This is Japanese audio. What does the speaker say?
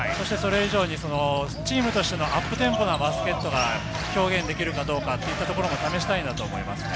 それ以上にチームとしてのアップテンポなバスケットが表現できるかどうかというところも試したいんだと思います。